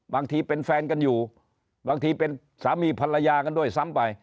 บางทีเป็นแฟนกันอยู่บางทีเป็นสามีภรรยากันด้วยซ้ำไป